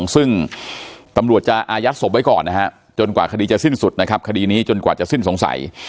ซึ่งตำรวจจะอายัดศพไว้ก่อนนะฮะจนกว่าคดีจะสิ้นสุดนะครับคดีนี้จนกว่าจะสิ้นสงสัย